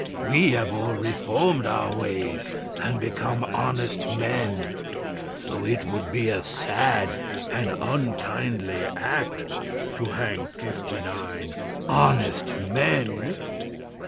We have all reformed our ways and become honest men; so it would be a sad and unkindly act to hang fifty nine honest men!"